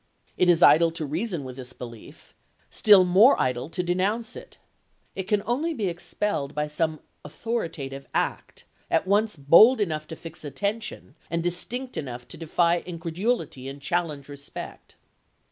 It is idle to reason with this belief — still more idle to denounce it. It can only THE JAQUESS GILMORE MISSION 219 be expelled by some authoritative act, at once bold chap.ix. enough to fix attention and distinct enough to defy incredulity and challenge respect.